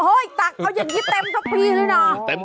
โอ้ยตักเอาอย่างนี้เต็มทุกพี่เลยนะ